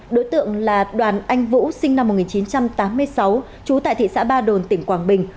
đối tượng là đoàn anh vũ sinh năm một nghìn chín trăm tám mươi sáu trú tại thị xã ba đồn tỉnh quảng bình